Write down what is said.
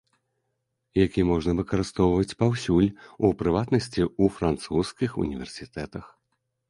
Які можна выкарыстоўваць паўсюль, у прыватнасці ў французскіх універсітэтах.